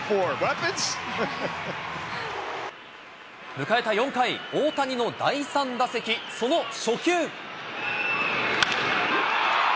迎えた４回、大谷の第３打席、その初球。